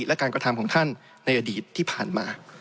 และการกระทำท่านที่ผ่านมา